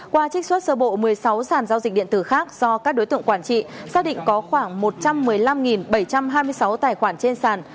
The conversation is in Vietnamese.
qua trích xuất sơ bộ một mươi sáu sản giao dịch điện tử khác do các đối tượng quản trị xác định có khoảng một trăm một mươi năm bảy trăm hai mươi sáu tài khoản trên sàn